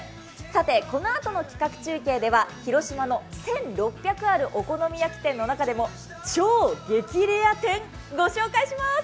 さてこのあとの企画中継では広島の、１６００あるお好み焼き店の中でも超激レア店、ご紹介します。